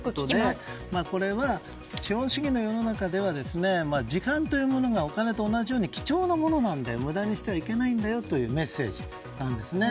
これは資本主義の世の中では時間というものがお金と同じように貴重なものなので無駄にしてはいけないんだよというメッセージなんですね。